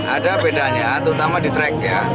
ada bedanya terutama di track ya